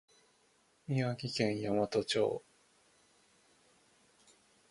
宮城県大和町